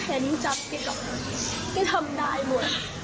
แม่หนูจำแกก็ทำได้หมด